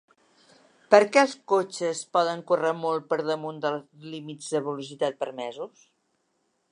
Per què els cotxes poden córrer molt per damunt dels límits de velocitat permesos?